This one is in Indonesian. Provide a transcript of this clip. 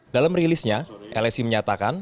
dalam rilisnya lsi menyatakan